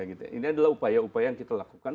ini adalah upaya upaya yang kita lakukan